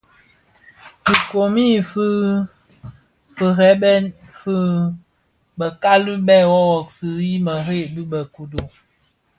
Dhi komid firebèn fi bekali bè woowoksi mëree bi bë kodo.